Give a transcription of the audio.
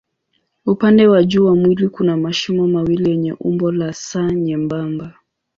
Upande wa juu wa mwili kuna mashimo mawili yenye umbo la S nyembamba.